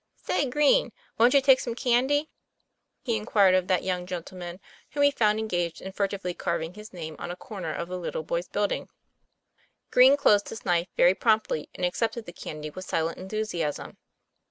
;' Say, Green, wont you take some candy?" he in i* ' v . I loo TOM PL A YFAIR. quired of that young gentleman, whom he found engaged in furtively carving his name on a corner of the little boys' building. Green closed his knife very promptly, and accepted the candy with silent enthusiasm.